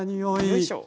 よいしょ。